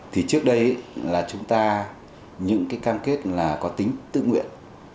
thì trước đây là chúng ta những cái cam kết là có tính tự nguyện